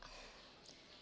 sampai jumpa nek